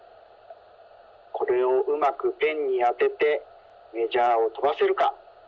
これをうまくペンにあててメジャーをとばせるか。